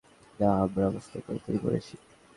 না, আমরা অবস্থান পরিবর্তন করেছি।